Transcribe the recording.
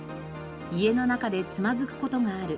家の中でつまずく事がある。